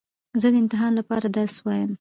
زه د امتحان له پاره درس وایم.